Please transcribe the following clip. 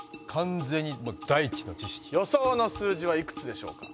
予想の数字はいくつでしょうか？